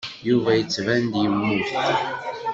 Yuba yettban-d yemmut.